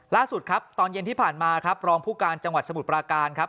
ล่าสุดครับตอนเย็นที่ผ่านมาครับรองผู้การจังหวัดสมุทรปราการครับ